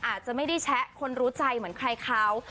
อาจจะไม่ได้แชะคนรู้ใจเหมือนใครเขา